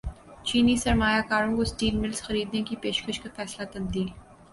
چینی سرمایہ کاروں کو اسٹیل ملز خریدنے کی پیشکش کا فیصلہ تبدیل